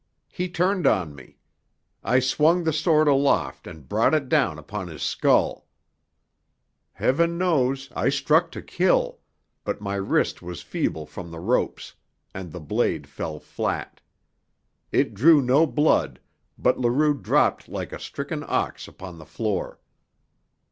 He turned on me. I swung the sword aloft and brought it down upon his skull. Heaven knows I struck to kill; but my wrist was feeble from the ropes, and the blade fell flat. It drew no blood, but Leroux dropped like a stricken ox upon the floor.